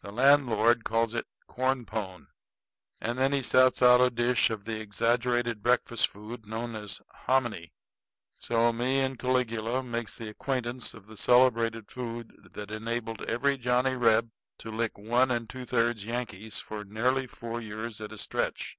The landlord calls it corn pone; and then he sets out a dish of the exaggerated breakfast food known as hominy; and so me and Caligula makes the acquaintance of the celebrated food that enabled every Johnny Reb to lick one and two thirds Yankees for nearly four years at a stretch.